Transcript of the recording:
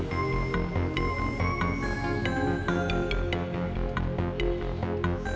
karena kamu tidak bisa berbuat apa apa